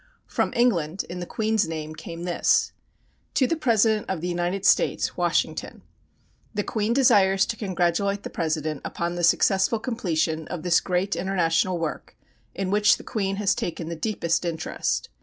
From England, in the Queen's name, came this: "To the President of the United States, Washington "The Queen desires to congratulate the President upon the successful completion of this great international work, in which the Queen has taken the deepest interest.